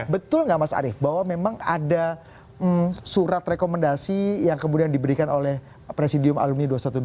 betul nggak mas arief bahwa memang ada surat rekomendasi yang kemudian diberikan oleh presidium alumni dua ratus dua belas